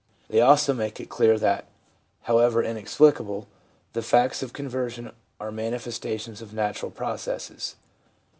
They also make it clear that, however inexplicable, the facts of con version are manifestations of natural processes.